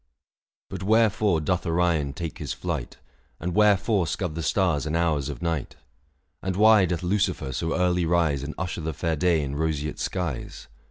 But wherefore doth Orion take his flight, 615 And wherefore scud the stars and hours of night ? And why doth Lucifer so early rise And usher the fair day in roseate skies